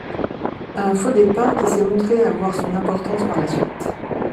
Un faux-départ qui s’est montré avoir son importance par la suite.